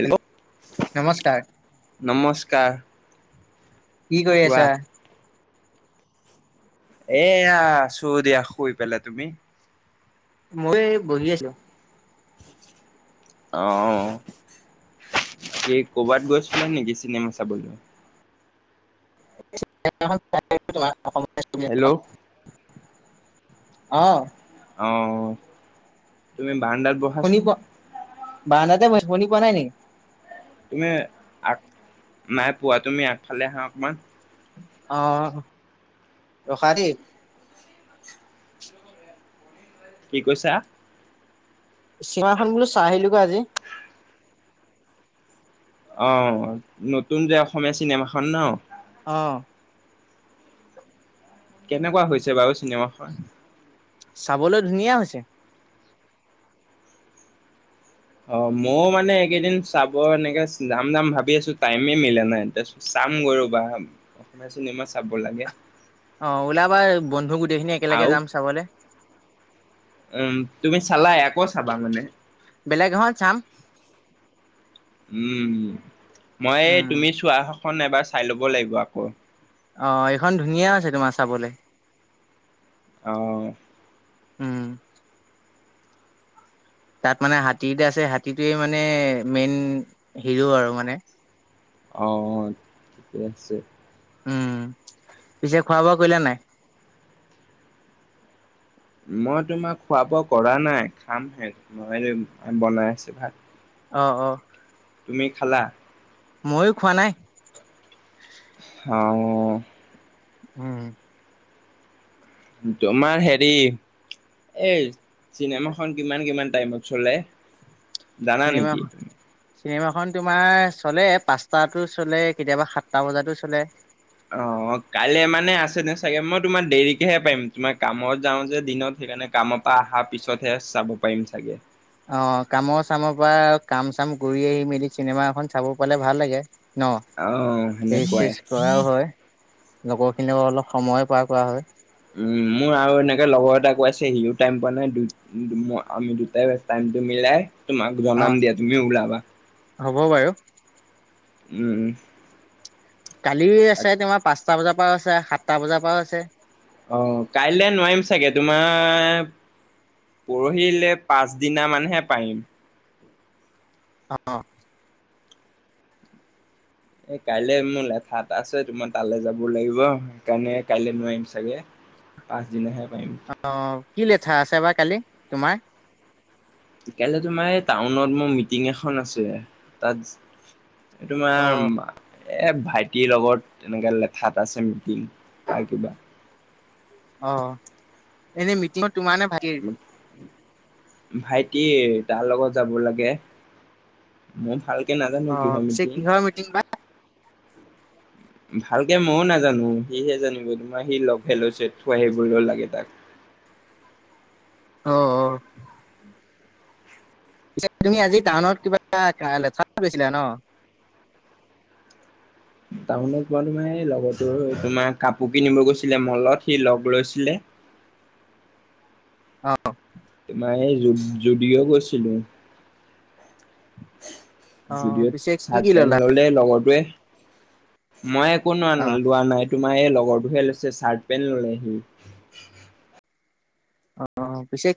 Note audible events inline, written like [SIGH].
Hello, নমস্কাৰ নমস্কাৰ। কি কৰি কোৱা আছা? এয়া আছো দিয়া শুই পেলাই। তুমি? মইও এই বহি আছো। অঁ। এই কৰ'বাত গৈছিলা নেকি চিনেমা চাবলৈ? হেল্ল' [UNINTELLIGIBLE] অঁ। অ, তুমি বাৰাণ্ডাত ব শুনি পোৱা, বাৰাণ্ডাতে বহিছোঁ, শুনি পোৱা নাই নেকি? তুমি আগ নাই পোৱা। তুমি আগফালে আহা অকনমান। অঁ, ৰখা দেই। কি কৈছা? চিনেমাখন বোলো চাই আহিলোগৈ আজি। অঁ নতুন যে অসমীয়া চিনেমা খন ন? অঁ। কেনেকুৱা হৈছে বাৰু চিনেমাখন? চাবলৈ ধুনীয়া হৈছে। অ মইও মানে এইকেইদিন চাব এনেকে যাম যাম ভাবি আছো টাইমে মিলা নাই তাৰপিছত চাম গৈ ৰবা অসমীয়া চিনেমা চাব লাগে। অঁ ওলাবা বন্ধু গোটেই খিনি একেলগে আৰু যাম চাবলে। উম, তুমি চালাই আকৌ চাবা মানে? বেলেগ এখন চাম উম মই উম। তুমি চোৱা খন এবাৰ চাই ল'ব লাগিব আকৌ। অঁ এইখন ধুনীয়া হৈছে তোমাৰ চাবলৈ। অঁ। উম। তাত মানে হাতী এটা আছে হাতীটোৱে মানে মেইন হিৰ' আৰু মানে। অঁ ঠিকে আছে। উম পিছে খোৱা বোৱা কৰিলা নে নাই? মই তোমাৰ খোৱা বোৱা কৰা নাই খামহে, বনাই আছে ভাত। অঁ অঁ। তুমি খালা? মইয়ো খোৱা নাই। হ উম। তোমাৰ হেৰি এই চিনেমা খন কিমান কিমান টাইমত চলে? জানা চিনেমা নেকি খ। চিনেমাখন তোমাৰ চলে পাঁচটাতো চলে কেতিয়াবা সাতটা বজাতো চলে। অ কাইলে মানে আছে ন চাগে মই তোমাৰ দেৰিকেহে পাৰিম তোমাৰ কামত যাওঁ যে দিনত সেইকাৰণে কামৰ এটা অহা পিছতহে চাব পাৰিম চাগে। অঁ, কামৰ চামৰ পৰা কাম চাম কৰি আহি মেলি চিনেমা এখন চাব পালে ভাল লাগে। ন অ ৰেচ সেনেকুৱাই চেচ কৰাও হয়। লগৰখিনিও অলপ সময় পাৰ কৰা হয়। উম মোৰ আৰু এনেকে লগৰ এটা কৈ আছে সিও টাইম পোৱা নাই দুই আমি দুটাই টাইমটো মিলাই তোমাক অ'। জনাম দিয়া তুমি ওলাবা। হ'ব বাৰু। উম উম। কালি আছে তাক- তোমাৰ পাঁচটা বজাৰ পৰাও আছে সাতটা বজাৰ পৰাও আছে। অঁ, কাইলে নোৱাৰিম চাগে তোমাৰ পৰহিলে পাছদিনা মানহে পাৰিম। অঁ। এ কাইলৈ মোৰ লেঠা এটা আছে তোমাৰ তালৈ যাব লাগিব সেইকাৰণে কাইলৈ নোৱাৰিম চাগে। পাঁচদিনাহে পাৰিম। অঁ, কি লেঠা আছে বা কালি তোমাৰ? কাইলে তোমাৰ এই টাউনত মোৰ মিটিং এখন আছে তাত। তোমাৰ অ' মা এ ভাইটিৰ লগত এনেকে লেঠা এটা আছে মিটিং তাৰ কিবা। অঁ, এনে মিটিংত তোমাৰ নে ভাইটিৰ? ভাইটি তাৰ লগত যাব লাগে। মই ভালকে নাজানো কিহ অ' পিছে মিটিং। [INAUDIBLE] ভালকে মইও নাজানো সিহে জানিব তোমাৰ সি লগহে লৈছে [UNINTELLIGIBLE] আহিবও লাগে তাক। অঁ, অ। পিচে তুমি আজি টাউনত কিবা লেঠাত গৈছিলা ন? টাউনত কোৱা তোমাৰ এই লগতো তোমাৰ কাপোৰ কিনিব গৈছিলে মলত সি লগ লৈছিলে। অঁ, তোমাৰ এই জু যুদিও গৈছিলো। অ পিছে যুদিওত কি কি চাৰ্ট, ললা পেন্ট ললে লগৰটোৱে। মই একো ন অ লোৱা নাই তোমাৰ এই লগৰটোহে লৈছে চাৰ্ট, পেণ্ট ল'লেহি। অঁ, অঁ পিছে